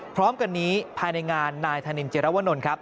พร้อมกันนี้ภายในงานนายธนินเจรวนลครับ